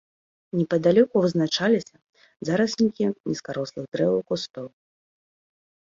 Непадалёку вызначаліся зараснікі нізкарослых дрэў і кустоў.